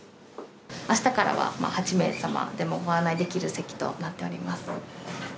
あしたからはもう８名様でもご案内できる席となっております。